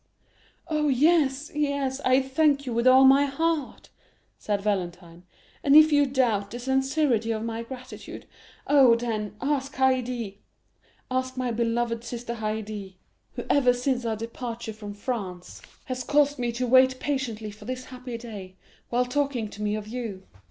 "Oh, yes, yes, I thank you with all my heart," said Valentine; "and if you doubt the sincerity of my gratitude, oh, then, ask Haydée! ask my beloved sister Haydée, who ever since our departure from France, has caused me to wait patiently for this happy day, while talking to me of you."